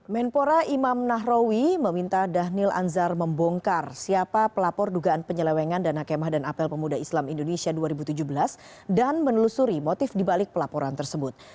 menpora imam nahrawi meminta dhanil anzar membongkar siapa pelapor dugaan penyelewengan dana kemah dan apel pemuda islam indonesia dua ribu tujuh belas dan menelusuri motif dibalik pelaporan tersebut